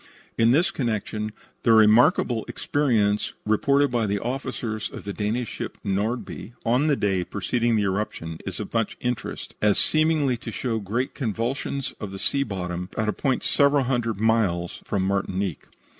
In this connection the remarkable experience reported by the officers of the Danish steamship Nordby, on the day preceding the eruption, is of much interest, as seeming to show great convulsions of the sea bottom at a point several hundred miles from Martinique.